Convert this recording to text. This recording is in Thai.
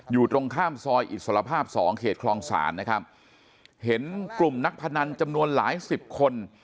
อยู่ตรงข้ามซอยอิสรภาพสองเขตคลองศาลนะครับเห็นกลุ่มนักพนันจำนวนหลายสิบคน